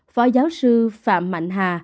phó giáo sư phạm mạnh hà